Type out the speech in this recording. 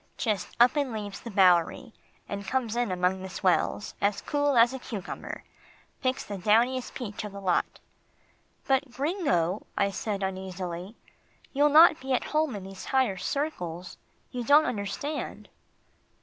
"Just up and leaves the Bowery, and comes in among the swells, as cool as a cucumber. Picks the downiest peach of the lot." "But, Gringo," I said uneasily. "You'll not be at home in these higher circles. You don't understand."